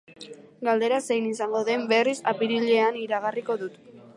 Galdera zein izango den, berriz, apirilean iragarriko du.